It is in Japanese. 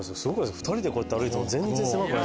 ２人でこうやって歩いても全然狭くない。